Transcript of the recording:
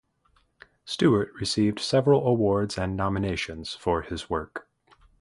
Stewart received several awards and nominations for his work.